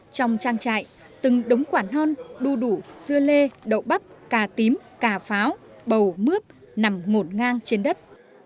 trong trang trại từng đống quản hon đu đủ dưa lê đậu bắp cà tím cà pháo bầu mướp nằm ngổn ngang trên đất